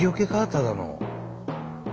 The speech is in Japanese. ただの。